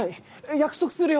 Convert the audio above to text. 約束するよ。